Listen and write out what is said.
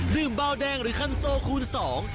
เบาแดงหรือคันโซคูณสอง